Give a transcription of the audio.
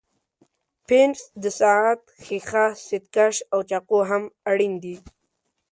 پنس، د ساعت ښيښه، ستکش او چاقو هم اړین دي.